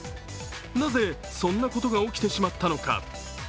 なぜそんなことが起きてしまったのか。